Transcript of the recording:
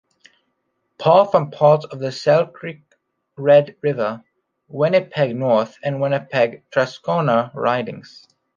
Paul from parts of Selkirk-Red River, Winnipeg North and Winnipeg Transcona ridings.